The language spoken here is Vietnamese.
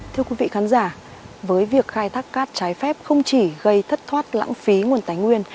thưa quý vị khán giả với việc khai thác cát trái phép không chỉ gây thất thoát lãng phí nguồn tài nguyên